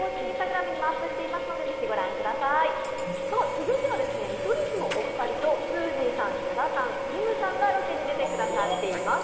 続いては見取り図のお二人と、すーじーさん、矢田さん、きむさんがロケに行ってくださっています。